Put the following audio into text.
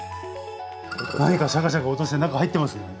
何かシャカシャカ音して何か入ってますよね。